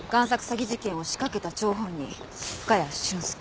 詐欺事件を仕掛けた張本人深谷俊介。